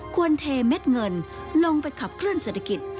เทเม็ดเงินลงไปขับเคลื่อเศรษฐกิจ